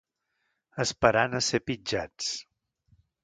Esperant a ser pitjats.